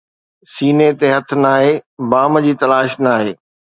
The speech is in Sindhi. سيني تي هٿ ناهي، بام جي تلاش ناهي